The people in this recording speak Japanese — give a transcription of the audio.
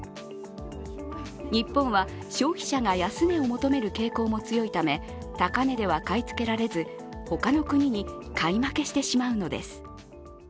日本は消費者が安値を求める傾向も強いため高値では買い付けられず、他の国に買い負けしてしまうのです。